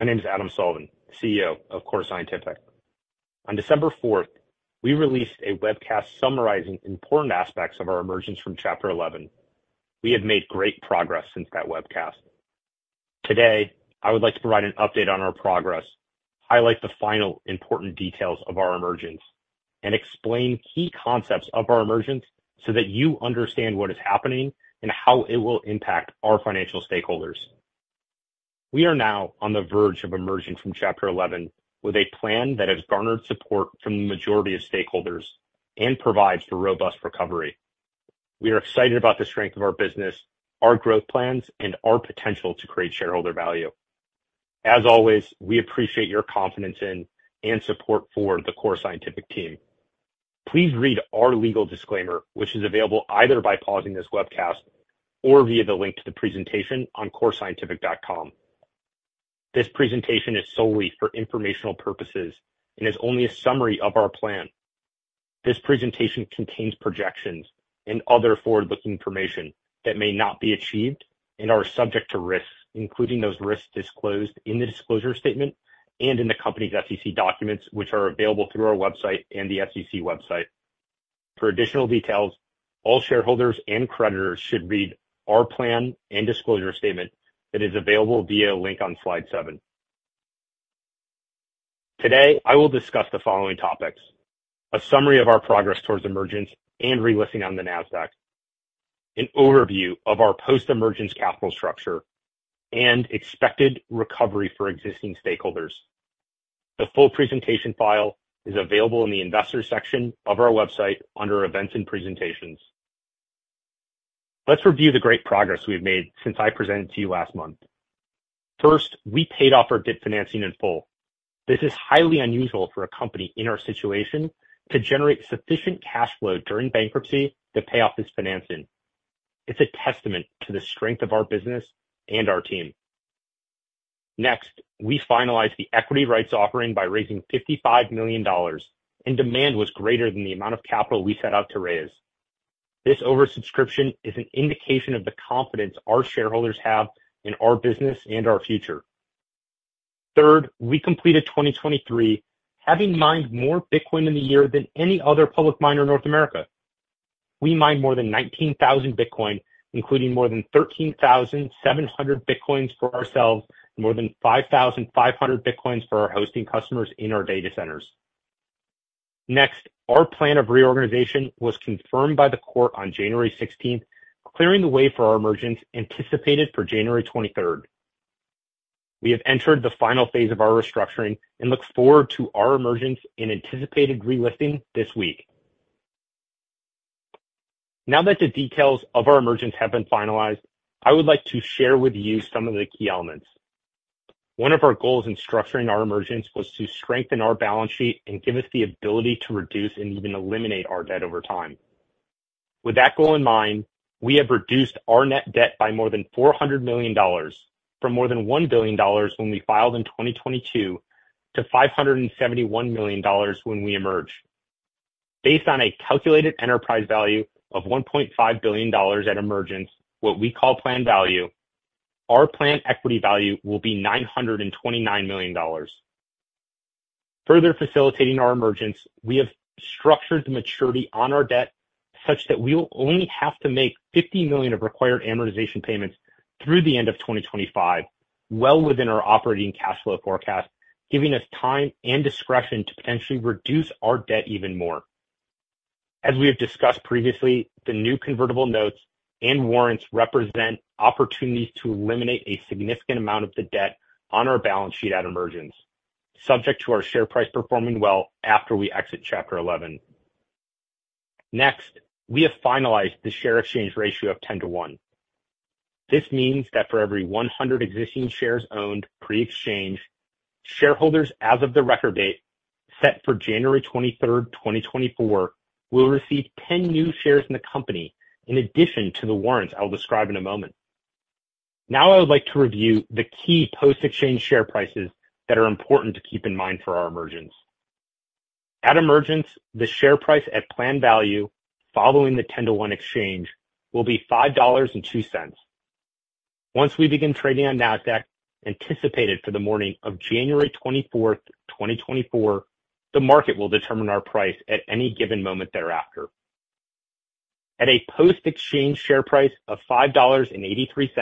My name is Adam Sullivan, CEO of Core Scientific. On December 4th, we released a webcast summarizing important aspects of our emergence from Chapter 11. We have made great progress since that webcast. Today, I would like to provide an update on our progress, highlight the final important details of our emergence, and explain key concepts of our emergence so that you understand what is happening and how it will impact our financial stakeholders. We are now on the verge of emerging from Chapter 11 with a plan that has garnered support from the majority of stakeholders and provides for robust recovery. We are excited about the strength of our business, our growth plans, and our potential to create shareholder value. As always, we appreciate your confidence in and support for the Core Scientific team. Please read our legal disclaimer, which is available either by pausing this webcast or via the link to the presentation on CoreScientific.com. This presentation is solely for informational purposes and is only a summary of our plan. This presentation contains projections and other forward-looking information that may not be achieved and are subject to risks, including those risks disclosed in the disclosure statement and in the company's SEC documents, which are available through our website and the SEC website. For additional details, all shareholders and creditors should read our plan and disclosure statement that is available via a link on slide 7. Today, I will discuss the following topics: a summary of our progress towards emergence and relisting on Nasdaq, an overview of our post-emergence capital structure, and expected recovery for existing stakeholders. The full presentation file is available in the Investor section of our website under Events and Presentations. Let's review the great progress we've made since I presented to you last month. First, we paid off our debt financing in full. This is highly unusual for a company in our situation to generate sufficient cash flow during bankruptcy to pay off this financing. It's a testament to the strength of our business and our team. Next, we finalized the equity rights offering by raising $55 million, and demand was greater than the amount of capital we set out to raise. This oversubscription is an indication of the confidence our shareholders have in our business and our future. Third, we completed 2023, having mined more Bitcoin in the year than any other public miner in North America. We mined more than 19,000 Bitcoin, including more than 13,700 Bitcoins for ourselves and more than 5,500 Bitcoins for our hosting customers in our data centers. Next, our plan of reorganization was confirmed by the court on January 16th, clearing the way for our emergence anticipated for January 23rd. We have entered the final phase of our restructuring and look forward to our emergence and anticipated relisting this week. Now that the details of our emergence have been finalized, I would like to share with you some of the key elements. One of our goals in structuring our emergence was to strengthen our balance sheet and give us the ability to reduce and even eliminate our debt over time. With that goal in mind, we have reduced our net debt by more than $400 million from more than $1 billion when we filed in 2022 to $571 million when we emerged. Based on a calculated enterprise value of $1.5 billion at emergence, what we call plan value, our plan equity value will be $929 million. Further facilitating our emergence, we have structured the maturity on our debt such that we will only have to make $50 million of required amortization payments through the end of 2025, well within our operating cash flow forecast, giving us time and discretion to potentially reduce our debt even more. As we have discussed previously, the new convertible notes and warrants represent opportunities to eliminate a significant amount of the debt on our balance sheet at emergence, subject to our share price performing well after we exit Chapter 11. Next, we have finalized the share exchange ratio of 10 to 1. This means that for every 100 existing shares owned pre-exchange, shareholders as of the record date set for January 23rd, 2024, will receive 10 new shares in the company in addition to the warrants I'll describe in a moment. Now, I would like to review the key post-exchange share prices that are important to keep in mind for our emergence. At emergence, the share price at plan value following the 10 to 1 exchange will be $5.02. Once we begin trading on Nasdaq, anticipated for the morning of January 24th, 2024, the market will determine our price at any given moment thereafter. At a post-exchange share price of $5.83,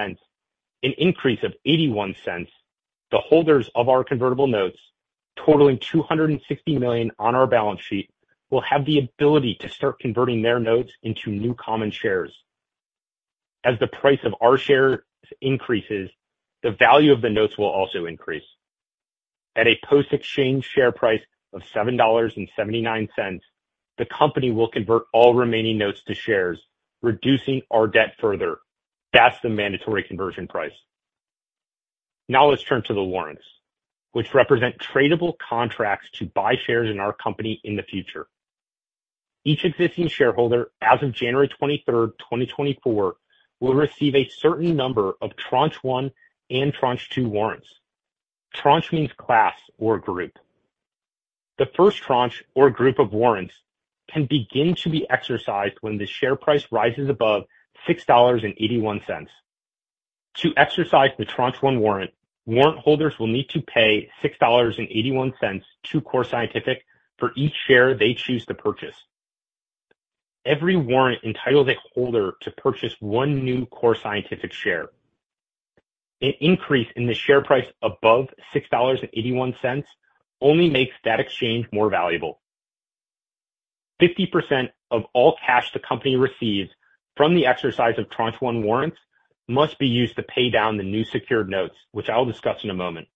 an increase of $0.81, the holders of our convertible notes, totaling $260 million on our balance sheet, will have the ability to start converting their notes into new common shares. As the price of our shares increases, the value of the notes will also increase. At a post-exchange share price of $7.79, the company will convert all remaining notes to shares, reducing our debt further. That's the mandatory conversion price. Now, let's turn to the warrants, which represent tradable contracts to buy shares in our company in the future. Each existing shareholder as of January 23rd, 2024, will receive a certain number of Tranche 1 and Tranche 2 warrants. Tranche means class or group. The first tranche or group of warrants can begin to be exercised when the share price rises above $6.81. To exercise the Tranche 1 warrant, warrant holders will need to pay $6.81 to Core Scientific for each share they choose to purchase. Every warrant entitles a holder to purchase one new Core Scientific share. An increase in the share price above $6.81 only makes that exchange more valuable. 50% of all cash the company receives from the exercise of tranche one warrants must be used to pay down the new secured notes, which I'll discuss in a moment.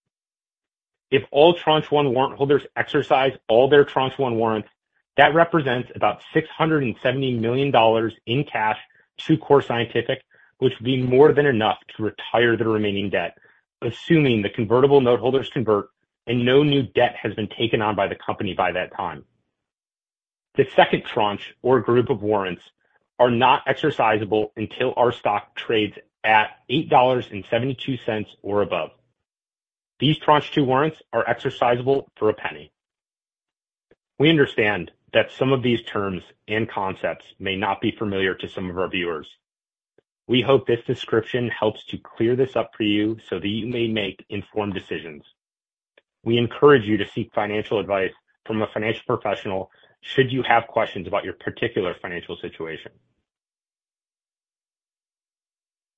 If all Tranche 1 warrant holders exercise all their Tranche 1 warrants, that represents about $670 million in cash to Core Scientific, which would be more than enough to retire the remaining debt, assuming the convertible noteholders convert and no new debt has been taken on by the company by that time. The second tranche or group of warrants are not exercisable until our stock trades at $8.72 or above. These Tranche 2 warrants are exercisable for a penny. We understand that some of these terms and concepts may not be familiar to some of our viewers. We hope this description helps to clear this up for you so that you may make informed decisions. We encourage you to seek financial advice from a financial professional should you have questions about your particular financial situation.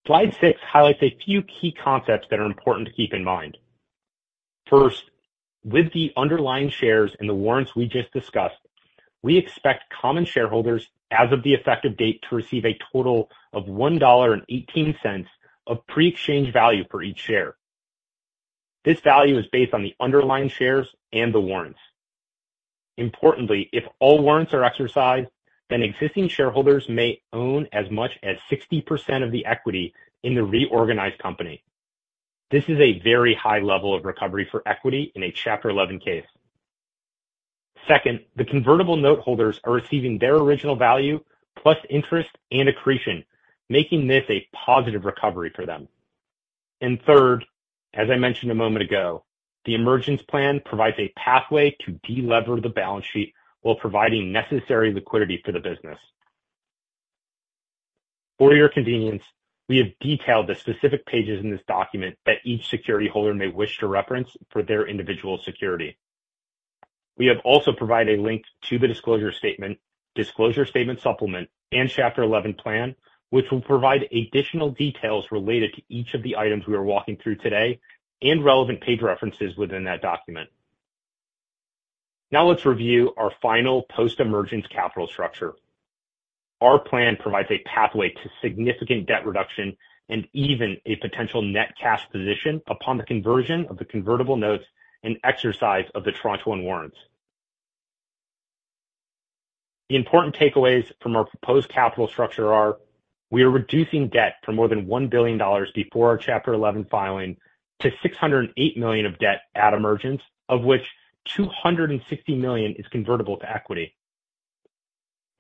Slide 6 highlights a few key concepts that are important to keep in mind. First, with the underlying shares and the warrants we just discussed, we expect common shareholders as of the effective date to receive a total of $1.18 of pre-exchange value for each share. This value is based on the underlying shares and the warrants. Importantly, if all warrants are exercised, then existing shareholders may own as much as 60% of the equity in the reorganized company. This is a very high level of recovery for equity in a Chapter 11 case. Second, the convertible noteholders are receiving their original value plus interest and accretion, making this a positive recovery for them. And third, as I mentioned a moment ago, the emergence plan provides a pathway to de-lever the balance sheet while providing necessary liquidity for the business. For your convenience, we have detailed the specific pages in this document that each security holder may wish to reference for their individual security. We have also provided a link to the disclosure statement, disclosure statement supplement, and Chapter 11 plan, which will provide additional details related to each of the items we are walking through today and relevant page references within that document. Now, let's review our final post-emergence capital structure. Our plan provides a pathway to significant debt reduction and even a potential net cash position upon the conversion of the convertible notes and exercise of the Tranche 1 warrants. The important takeaways from our proposed capital structure are we are reducing debt for more than $1 billion before our Chapter 11 filing to $608 million of debt at emergence, of which $260 million is convertible to equity.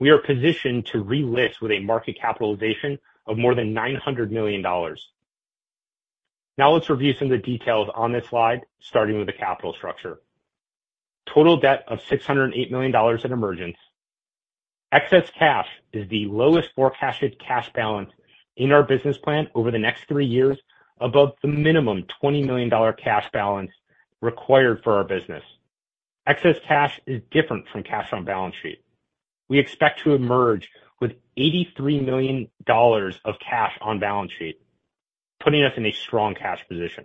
We are positioned to relist with a market capitalization of more than $900 million. Now, let's review some of the details on this slide, starting with the capital structure. Total debt of $608 million at emergence. Excess cash is the lowest forecasted cash balance in our business plan over the next three years, above the minimum $20 million cash balance required for our business. Excess cash is different from cash on balance sheet. We expect to emerge with $83 million of cash on balance sheet, putting us in a strong cash position.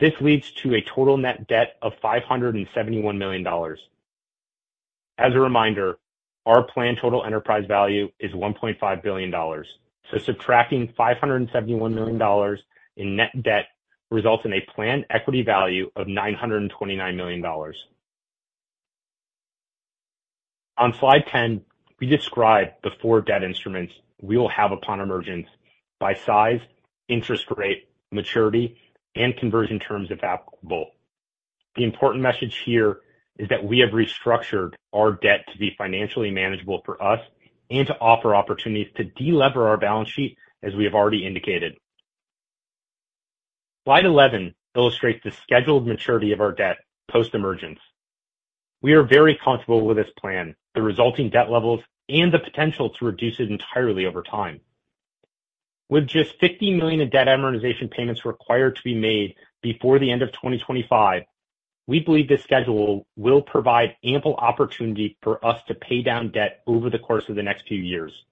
This leads to a total net debt of $571 million. As a reminder, our plan total enterprise value is $1.5 billion. So, subtracting $571 million in net debt results in a plan equity value of $929 million. On slide 10, we describe the four debt instruments we will have upon emergence by size, interest rate, maturity, and conversion terms if applicable. The important message here is that we have restructured our debt to be financially manageable for us and to offer opportunities to de-lever our balance sheet, as we have already indicated. Slide 11 illustrates the scheduled maturity of our debt post-emergence. We are very comfortable with this plan, the resulting debt levels, and the potential to reduce it entirely over time. With just $50 million in debt amortization payments required to be made before the end of 2025, we believe this schedule will provide ample opportunity for us to pay down debt over the course of the next few years.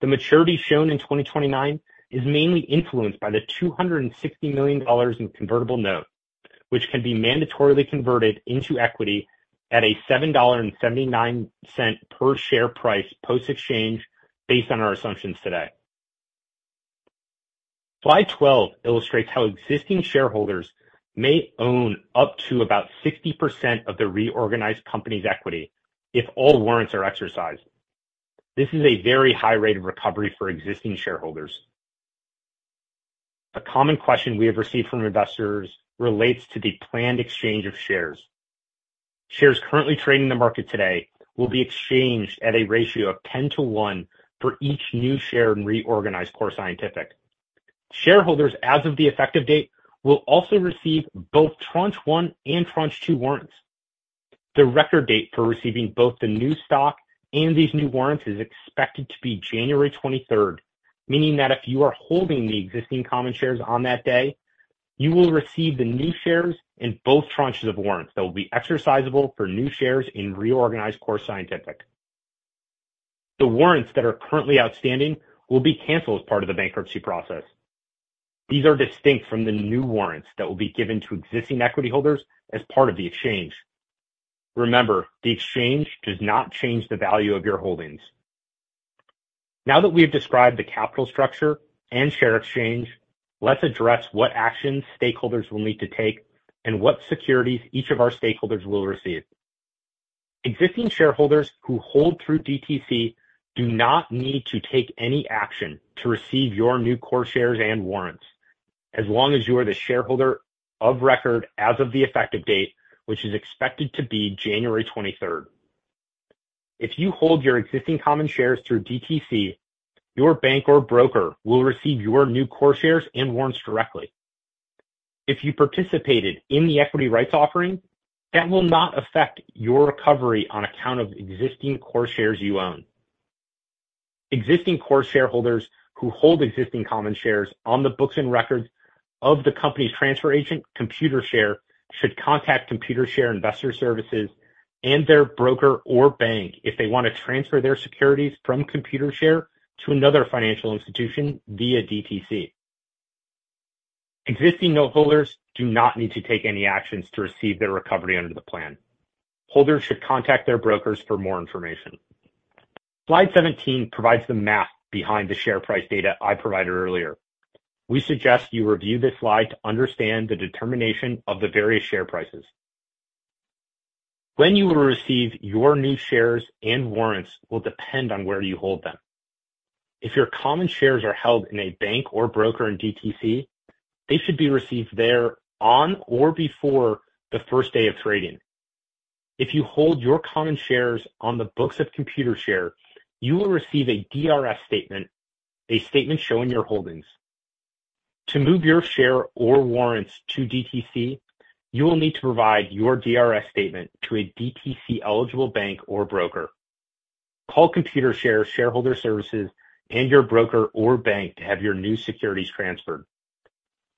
The maturity shown in 2029 is mainly influenced by the $260 million in convertible note, which can be mandatorily converted into equity at a $7.79 per share price post-exchange based on our assumptions today. Slide 12 illustrates how existing shareholders may own up to about 60% of the reorganized company's equity if all warrants are exercised. This is a very high rate of recovery for existing shareholders. A common question we have received from investors relates to the planned exchange of shares. Shares currently trading in the market today will be exchanged at a ratio of 10 to 1 for each new share in reorganized Core Scientific. Shareholders as of the effective date will also receive both Tranche 1 and Tranche 2 warrants. The record date for receiving both the new stock and these new warrants is expected to be January 23rd, meaning that if you are holding the existing common shares on that day, you will receive the new shares and both tranches of warrants that will be exercisable for new shares in reorganized Core Scientific. The warrants that are currently outstanding will be canceled as part of the bankruptcy process. These are distinct from the new warrants that will be given to existing equity holders as part of the exchange. Remember, the exchange does not change the value of your holdings. Now that we have described the capital structure and share exchange, let's address what actions stakeholders will need to take and what securities each of our stakeholders will receive. Existing shareholders who hold through DTC do not need to take any action to receive your new Core shares and warrants as long as you are the shareholder of record as of the effective date, which is expected to be January 23rd. If you hold your existing common shares through DTC, your bank or broker will receive your new Core shares and warrants directly. If you participated in the equity rights offering, that will not affect your recovery on account of existing Core shares you own. Existing Core shareholders who hold existing common shares on the books and records of the company's transfer agent, Computershare, should contact Computershare Investor Services and their broker or bank if they want to transfer their securities from Computershare to another financial institution via DTC. Existing noteholders do not need to take any actions to receive their recovery under the plan. Holders should contact their brokers for more information. Slide 17 provides the math behind the share price data I provided earlier. We suggest you review this slide to understand the determination of the various share prices. When you will receive your new shares and warrants will depend on where you hold them. If your common shares are held in a bank or broker in DTC, they should be received there on or before the first day of trading. If you hold your common shares on the books of Computershare, you will receive a DRS statement, a statement showing your holdings. To move your share or warrants to DTC, you will need to provide your DRS statement to a DTC eligible bank or broker. Call Computershare Shareholder Services and your broker or bank to have your new securities transferred.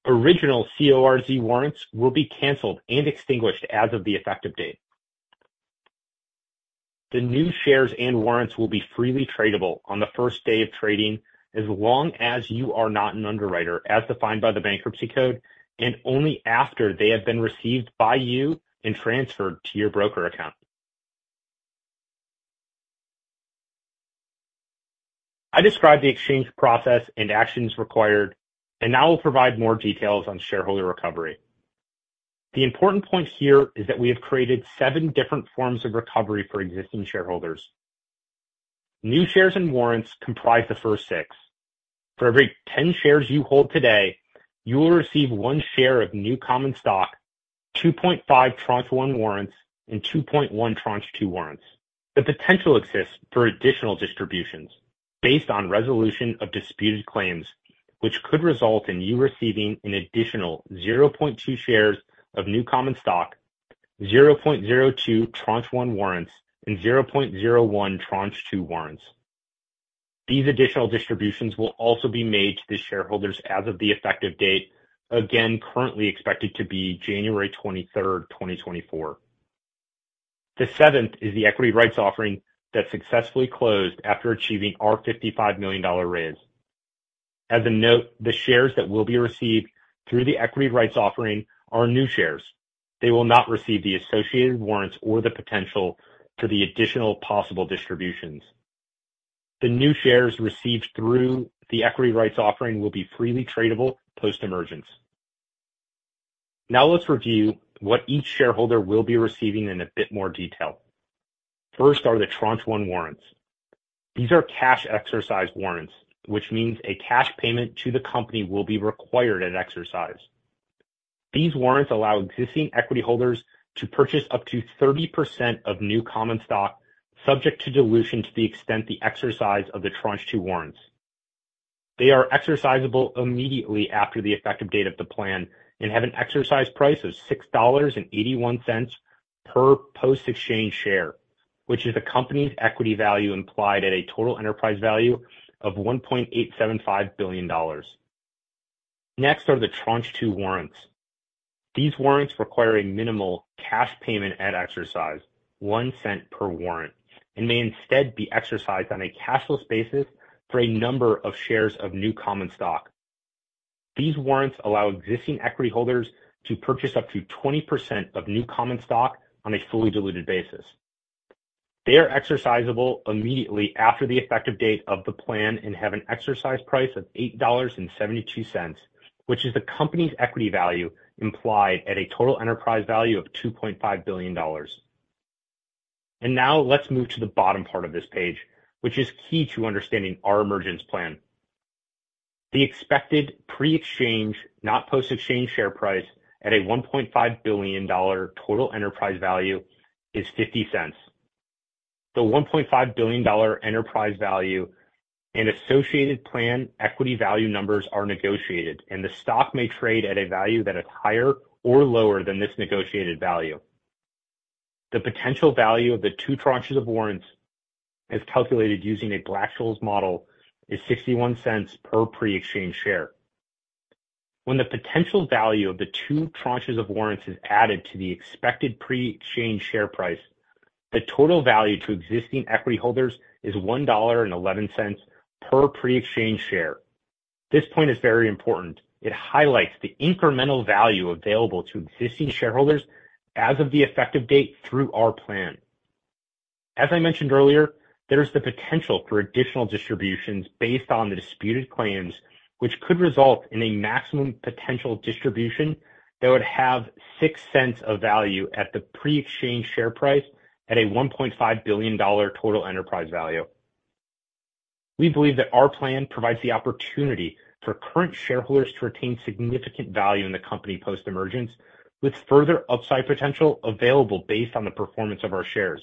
Original CORZ warrants will be canceled and extinguished as of the effective date. The new shares and warrants will be freely tradable on the first day of trading as long as you are not an underwriter as defined by the Bankruptcy Code and only after they have been received by you and transferred to your broker account. I described the exchange process and actions required, and now I'll provide more details on shareholder recovery. The important point here is that we have created seven different forms of recovery for existing shareholders. New shares and warrants comprise the first six. For every 10 shares you hold today, you will receive one share of new common stock, 2.5 Tranche 1 warrants, and 2.1 Tranche 2 warrants. The potential exists for additional distributions based on resolution of disputed claims, which could result in you receiving an additional 0.2 shares of new common stock, 0.02 Tranche 1 warrants, and 0.01 Tranche 2 warrants. These additional distributions will also be made to the shareholders as of the effective date, again currently expected to be January 23rd, 2024. The seventh is the equity rights offering that successfully closed after achieving our $55 million raise. As a note, the shares that will be received through the equity rights offering are new shares. They will not receive the associated warrants or the potential for the additional possible distributions. The new shares received through the equity rights offering will be freely tradable post-emergence. Now, let's review what each shareholder will be receiving in a bit more detail. First are the Tranche 1 warrants. These are cash exercise warrants, which means a cash payment to the company will be required at exercise. These warrants allow existing equity holders to purchase up to 30% of new common stock subject to dilution to the extent the exercise of the Tranche 2 warrants. They are exercisable immediately after the effective date of the plan and have an exercise price of $6.81 per post-exchange share, which is the company's equity value implied at a total enterprise value of $1.875 billion. Next are the Tranche 2 warrants. These warrants require a minimal cash payment at exercise, $0.01 per warrant, and may instead be exercised on a cashless basis for a number of shares of new common stock. These warrants allow existing equity holders to purchase up to 20% of new common stock on a fully diluted basis. They are exercisable immediately after the effective date of the plan and have an exercise price of $8.72, which is the company's equity value implied at a total enterprise value of $2.5 billion. And now let's move to the bottom part of this page, which is key to understanding our emergence plan. The expected pre-exchange, not post-exchange share price at a $1.5 billion total enterprise value is $0.50. The $1.5 billion enterprise value and associated plan equity value numbers are negotiated, and the stock may trade at a value that is higher or lower than this negotiated value. The potential value of the two tranches of warrants as calculated using a Black-Scholes model as $0.61 per pre-exchange share. When the potential value of the two tranches of warrants is added to the expected pre-exchange share price, the total value to existing equity holders is $1.11 per pre-exchange share. This point is very important. It highlights the incremental value available to existing shareholders as of the effective date through our plan. As I mentioned earlier, there is the potential for additional distributions based on the disputed claims, which could result in a maximum potential distribution that would have six cents of value at the pre-exchange share price at a $1.5 billion total enterprise value. We believe that our plan provides the opportunity for current shareholders to retain significant value in the company post-emergence, with further upside potential available based on the performance of our shares.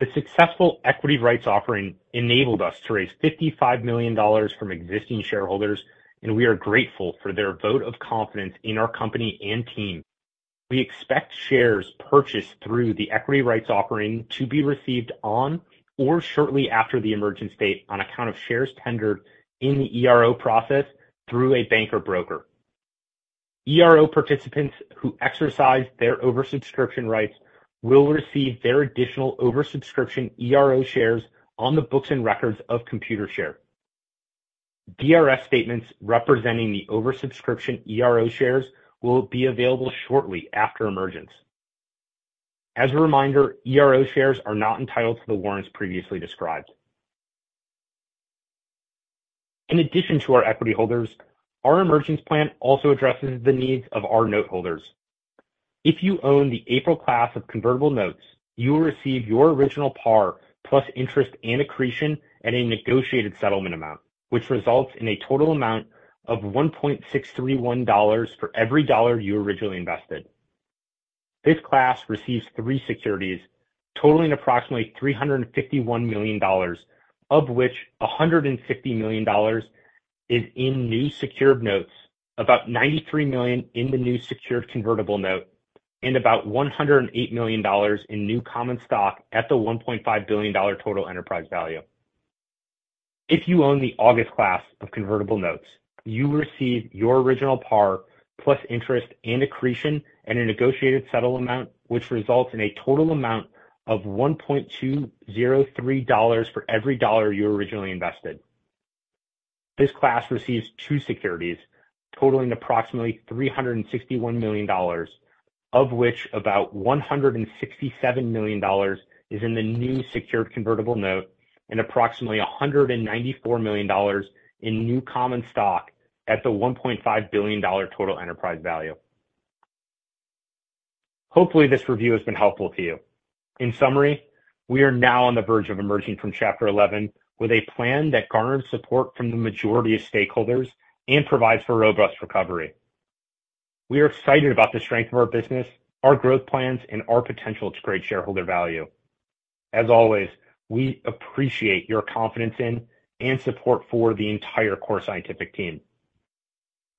The successful equity rights offering enabled us to raise $55 million from existing shareholders, and we are grateful for their vote of confidence in our company and team. We expect shares purchased through the equity rights offering to be received on or shortly after the emergence date on account of shares tendered in the ERO process through a bank or broker. ERO participants who exercise their oversubscription rights will receive their additional oversubscription ERO shares on the books and records of Computershare. DRS statements representing the oversubscription ERO shares will be available shortly after emergence. As a reminder, ERO shares are not entitled to the warrants previously described. In addition to our equity holders, our emergence plan also addresses the needs of our noteholders. If you own the April class of convertible notes, you will receive your original par plus interest and accretion at a negotiated settlement amount, which results in a total amount of $1.631 for every dollar you originally invested. This class receives three securities totaling approximately $351 million, of which $150 million is in new secured notes, about $93 million in the new secured convertible note, and about $108 million in new common stock at the $1.5 billion total enterprise value. If you own the August class of convertible notes, you will receive your original par plus interest and accretion at a negotiated settlement amount, which results in a total amount of $1.203 for every dollar you originally invested. This class receives two securities totaling approximately $361 million, of which about $167 million is in the new secured convertible note and approximately $194 million in new common stock at the $1.5 billion total enterprise value. Hopefully, this review has been helpful to you. In summary, we are now on the verge of emerging from Chapter 11 with a plan that garnered support from the majority of stakeholders and provides for robust recovery. We are excited about the strength of our business, our growth plans, and our potential to create shareholder value. As always, we appreciate your confidence in and support for the entire Core Scientific team.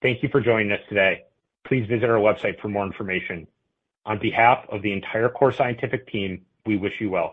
Thank you for joining us today. Please visit our website for more information. On behalf of the entire Core Scientific team, we wish you well.